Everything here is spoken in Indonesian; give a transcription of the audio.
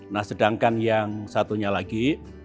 nah sedangkan yang satunya lagi